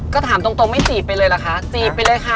ก็ถามตรงไม่จีบไปเลยเหรอคะจีบไปเลยค่ะ